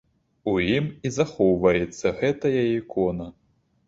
У ім і захоўваецца гэтая ікона.